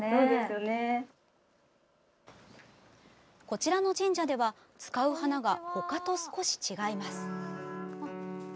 こちらの神社では使う花が他と少し違います。